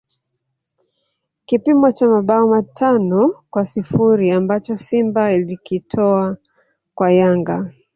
Kipigo cha mabao matano kwa sifuri ambacho Simba ilikitoa kwa Yanga